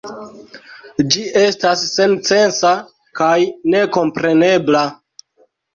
Ĝi estas sensenca kaj nekomprenebla.